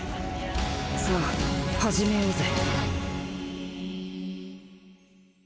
さあ始めようぜ。